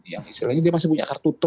yang istilahnya dia masih punya kartu